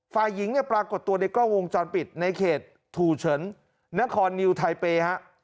ฝ่ายหญิงเนี่ยปรากฏตัวในกล้องวงจรปิดในเขตถูเฉินนครนิวไทเปย์ฮะ